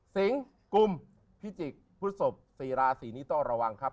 สิงกุมพิจิกษ์พฤศพ๔ราศีนี้ต้องระวังครับ